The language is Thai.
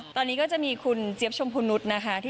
ตอนนี้ก็จะมีคุณเจี๊ยบชมพูนุษย์นะคะ